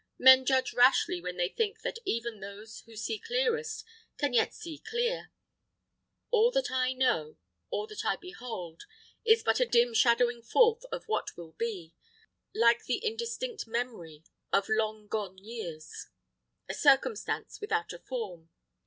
Men judge rashly when they think that even those who see clearest can yet see clear. All that I know, all that I behold, is but a dim shadowing forth of what will be, like the indistinct memory of long gone years; a circumstance without a form.